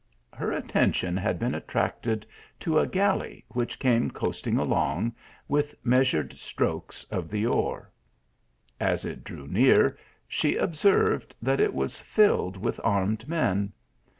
Her attention had been attracted to a galley, which came coasting along, with measured strokes of the oar. As it drew near, she observed that it was filled with armed men.